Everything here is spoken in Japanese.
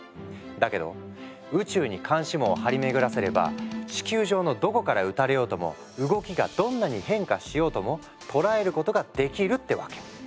だけど宇宙に監視網を張り巡らせれば地球上のどこから撃たれようとも動きがどんなに変化しようとも捉えることができるってわけ。